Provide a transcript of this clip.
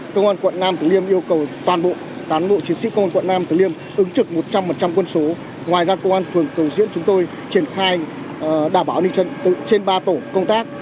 công an quận nam tử liêm yêu cầu toàn bộ cán bộ chiến sĩ công an quận nam tử liêm ứng trực một trăm linh quân số ngoài ra công an phường cầu diễn chúng tôi triển khai đảm bảo an ninh trật tự trên ba tổ công tác